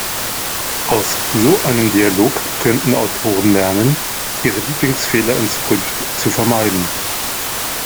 Aus so einem Dialog könnten Autoren lernen, ihre Lieblingsfehler in Zukunft zu vermeiden.